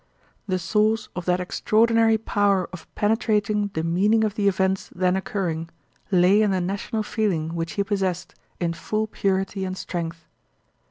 The source of that extraordinary power of penetrating the meaning of the events then occuring lay in the national feeling which he possessed in full purity and strength.